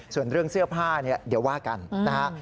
ส่วนเรื่องเสื้อผ้าเนี่ยเดี๋ยวว่ากันนะฮะ